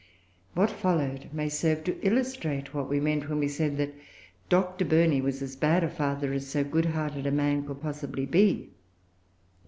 What followed may serve to illustrate what we meant when we said that Mr. Burney was as bad a father as so good hearted a man could possibly be.